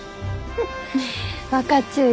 分かっちゅうよ。